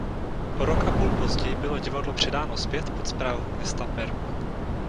O rok a půl později bylo divadlo předáno zpět pod správu města Perm.